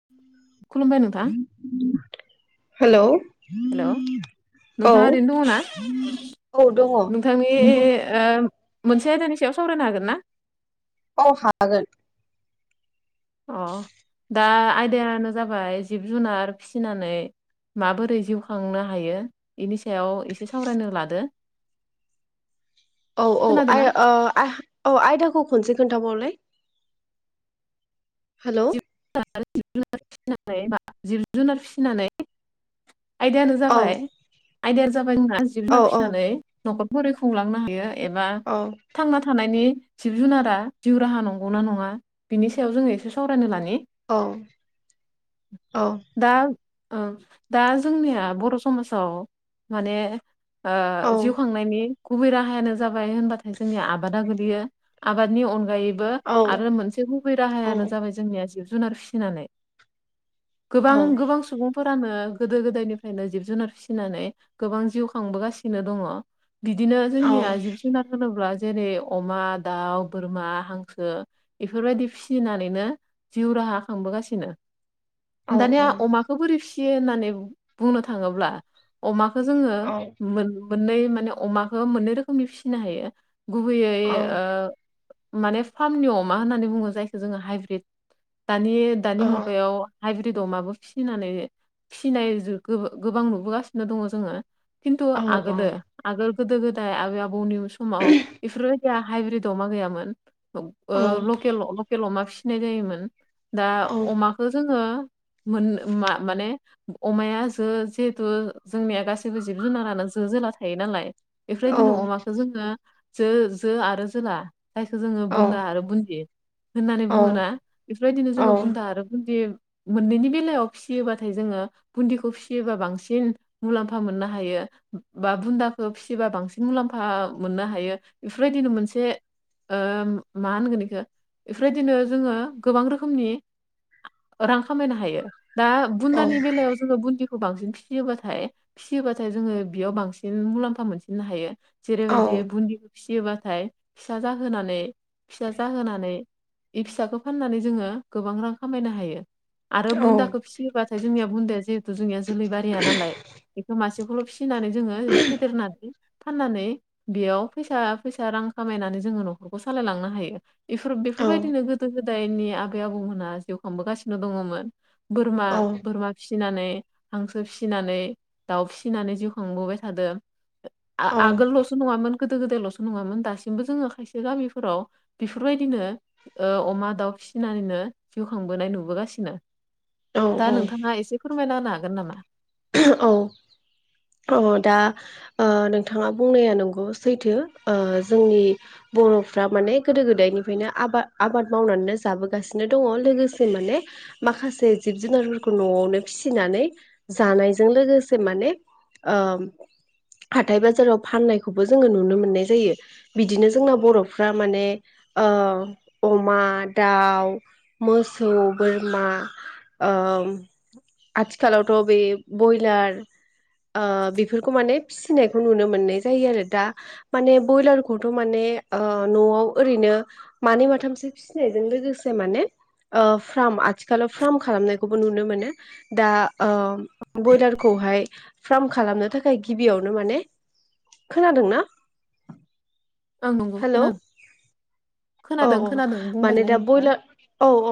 [inaudible] खुलुमबाय नोंथां। हेलौ हेल' औ नोंथाङा ओरैनो दङ ना? औ दङ नोंथांनि ओ मोनसे आयदानि सायाव सावरायनो हागोन ना? औ हागोन। अ दा आयदायानो जाबाय जिब जुनार फिसिनानै माबोरै जिउ खांनो हायो इनि सायाव एसे सावरायनो लादो। औ औ खोनादोंना आरो ओ आ औ आयदाखौ खनसे खोन्थाबावलाय हेल' [unintelligible] जिब जुनार फिसिनानै आयदायानो औ जाबाय आयदायाया जाबाय जोंना जिब औ जुनार औ फिसिनानै न'खरफोरै खुंलांनो हायो एबा औ थांना थानायनि जिब जुनारा जिउ राहा नंगौ ना नङा बिनि सायाव जोङो एसे सावरायनो लानि? औ औ दा ओं दा जोंनिया बर' समाजाव माने औ ओ जिउ खांनायनि गुबै राहायानो जाबाय होनबाथाय जोंनिया आबादा गोगलैयो आबादनि अनगायै बो औ आरो मोनसे है राहायानो जाबाय जोंनिया जिब जुनार फिसिनानै। औ गोबां गोबां सुबुं फोरानो गोदो गोदायनिफ्रायनो जिब जुनार फिसिनानै गोबां जिउ खांबोगासिनो दङ। बिदिनो जोंनिया जिब जुनार होनोब्ला जेरै अमा, दाउ, बोरमा, हांसो बेफोरबायदि फिसिनानैनो जिउ राहा खांबोगासिनो औ दानिया औ अमाखौ बोरै फि यो होननानै बुंनो थाङोब्ला अमाखौ जोङो औ औ औ मोन मोननै माने अमाखौ मोननै रोखोमनि फिसिनो हायो गुबैयै ओ माने फार्मनि अमा होननानै बुङो जायखौ जोङो हाइब्रिद दानि दानि मुगायाव हाइब्रिद अमाबो फिसिनानै फिसिनाय गोबां नुबोगासिनो दङ जोङो खिन्थु आगोलो आगोल गोदो गोदाय आबै आबौ नि समाव बेफोरबायदि हाइब्रिद अमा गैयामोन ओ लकेल केल अमा फिसिनाय जायोमोन दा अमाखौ जोङो मोन मा-माने अमाया जो जिहेथु जोंनिया गासैबो जिब जुनारानो जो जोला थायो नालाय बेफोरदिनो अमाखौ जोङो जो जो आरो जोला जायखौ जोङो बुन्दा आरो बुन्दि होननानै बुङो ना? बेफोरबायदिनो जोङो बुन्दा आरो बुन्दि मोननैनि बेलायाव फिसियोबाथाय जोङो बुन्दिखौ फिसियोबा बांसिन मुलाम्फा मोननो हायो। बा बुन्दाखौ फिसिबा बांसिन मुलाम्फा मोननो हायो बेफोरबायदिनो मोनसे ओ मा होनगोन बेखौ बेफोरबायदिनो जोङो गोबां रोखोमनि रां खामायनो हायो। दा बुन्दानि बेलायाव जोङो बुन्दिखौ बांसिन फिसियोबाथाय फिसियोबाथाय जोङो बेयाव बांसिन मुलाम्फा मोनसिननो हायो। जेरैबायदियो बुन फियोबाथाय फिसा जाहोनानै फिसा जाहोनानै बे फिसाखौ फाननानै जोङो गोबां रां खामायनो हायो आरो बुन्दाखौ फि योबाथाय जोंनिया बुन्दाया जिहेथु जोंनिया जोलै बारिया नालाय बेखौ मसेखौल' फिनानै जोङो फेदेरनानै फाननानै बेयाव फैसा फैसा रां खामायनानै जोङो न'खरखौ सालायलांनो हायो। बेफोर बेफोरबायदिनो गोदो गोदायनि आबै आबौमोनहा जिउ खांबोगासिनो दङमोन। बोरमा बोरमा फिसिनानै हांसो फिसिनानै दाउ फिसिनानै जिउ खांबोबाय थादों। आ-आगोल ल' सो नङामोन गोदो गोदायल'सो नङामोन दासिमबो जोङो खायसे गामिफोराव बेफोरबायदिनो ओ अमा दाउ फिसिनानैनो जिउ खांबोनाय नुबोगासिनो दा औ नोंथाङा एसे फोरमायना होनो हागोन नामा? औ औ दा ओ नोंथाङा बुंनाया नंगौ सैथो ओ जोंनि बर'फ्रा माने गोदो गोदायनिफ्रायनो आबाद आबाद मावनानैनो जाबोगासिनो दङ लोगोसे माने माखासे जिब जुनारफोरखौ न'आवनो फिसिनानै जानायजों लोगोसे माने ओ हाथाय बाजाराव फाननायखौबो जोङो नुनो मोननाय जायो। बिदिनो जोंना बर'फ्रा माने ओ अमा दाउ मोसौ बोरमा ओम आथिखालाव रबे ब्रयलार ओ बेफोरखौ माने फिसिनायखौ नुनो मोननाय जायो आरो दा माने ब्रयलारखौथ' माने ओ न'आव ओरैनो मानै माथामसो फिसिनायजों लोगोसे माने ओ फार्म आथिखालाव फार्म खालामनायखौबो नुनो मोनो दा अ बयलारखौहाय फार्म खालामनो थाखाय गिबियावनो माने खोनादों ना? आं नंगौ खोनादों औ खोनादों औ खोनादों माने बुंबायलाय दा नोंथां बयलार औ औ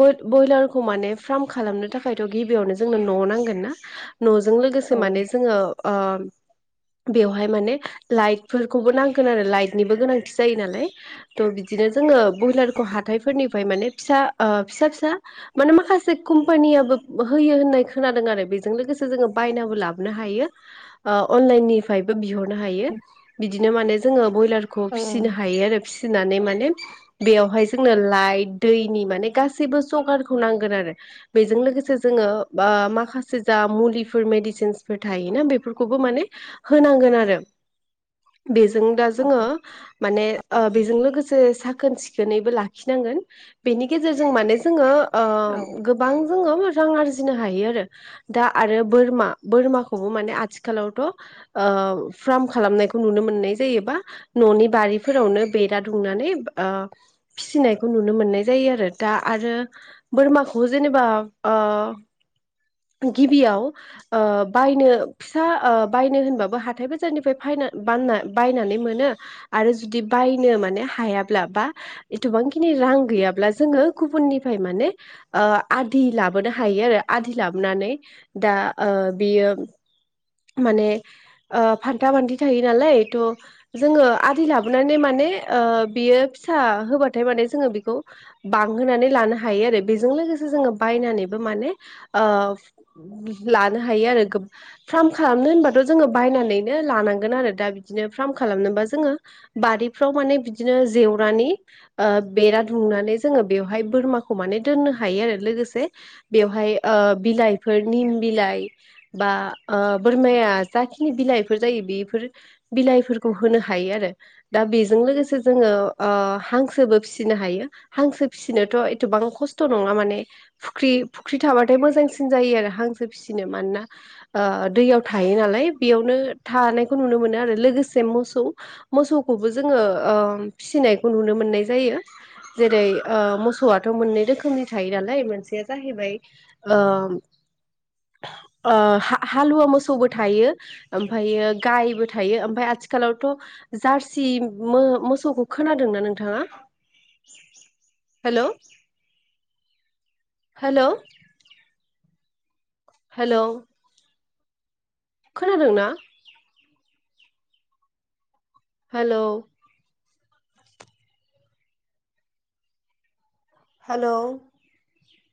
बय-बयलारखौ माने फार्म खालामनो थाखायथ' गिबियावनो जोंनो न' नांगोन ना न'जों औ लोगोसे माने जोङो ओ बेवहाय माने लाइटफोरखौबो नांगोन आरो लाइटनिबो गोनांथि जायो नालाय थ' बिदिनो जोङो बयलारखौ हाथायफोरनिफ्राय माने फिसा ओ फिसा फिसा माने माखासे कम्पानियाबो होयो हो नाय खोनादों आरो बेजों लोगोसे जोङो बायनाबो लाबोनो हायो। ओ अनलाइननिफ्रायबो बिहरनो हायो बिदिनो माने जोङो ब्रयलार खौ फिसिनो औ हायो आरो फिसिनानै माने बेवहाय जोंनो लाइट दैनि माने गासैबो जगारखौ नांगोन आरो। बेजों लोगोसे जोङो बा माखासे जा मुलिफोर मेडिसिनसफोर थायोना बेफोरखौबो माने होनांगोन आरो। बेजों दा औ जोङो माने बेजों लोगोसे साखोन सिखोनैबो ला खिनांगोन बेनि गेजेरजों माने जोङो औ। ओ गोबां जोंङो रां आर जिनो हायो आरो दा आरो बोरमा बोरमाखौबो माने आथिखालावथ' ओ फार्म खालामनायखौ नुनो मोननाय जायोबा न'नि बारिफोरावनो बेरा दुंनानै ओ फिसिनायखौ नुनो मोननाय जायो आरो दा आरो बोरमाखौ जेनेबा ओ गिबियाव अ बायनो फिसा अ बायनो होनबाबो हाथाय बाजारनिफ्रायना बा बायनानै मोनो। आरो जुदि बायनो माने हायाब्ला बा एथबांखिनि रां गैयाब्ला जोङो गुबुननिफ्राय माने ओ आदि लाबोनो हायो आरो आदि लाबोनानै दा ओ बियो माने ओ फान्था फान्थि थायो नालाय थ' जोङो आदि लाबोनानै माने ओ बियो फिसा होबाथाय माने जोङो बेखौ बांहोनानै लानो हायो आरो बेजों लोगोसे जोङो बायनानैबो माने ओ लानो हायो आरो। फार्म खालामनो होनबाथ' जोङो बायनानैनो लानांगोन आरो दा बिदिनो फार्म खालामनोबा जोङो बारिफ्राव माने बिदिनो जेवरानि ओ बेरा दुमनानै जोङो बेवहाय बोरमाखौ माने दोननो हायो आरो लोगोसे बेव हाय ओ बिलाइफोर निम बिलाइ बा ओ बोरमाया जाखिनि बिलाइफोर जायो बेफोर बिलाइफोरखौ होनो हायो आरो। दा बेजों लोगोसे अ जोङो हांसोबो फिसिनो हायो। हांसो फिसिनोथ' एथबां खस्थ' नङा माने फुख्रि फुख्रि थाबाथाय मोजांसिन जायो आरो हांसो फिसिनो। मानोना ओ दैयाव थायो नालाय बेयावनो थानायखौ नुनो मोनो आरो लोगोसे मोसौ मोसौखौबो जोङो ओम फिसिनायखौ नुनो मोननाय जायो। जेरै ओ मोसौआथ' मोननै रोखोमनि थायो नालाय मोनसेया जाहैबाय ओ ओ हा हालुवा मोसौबो थायो। ओमफायो गायबो थायो ओमफाय आथिखालावथ' जार्सि मो मोसौखौ खोनादों ना नोंथाङा? [inaudible] हेल' हेल' हेलौ खोनादों ना? Hello hello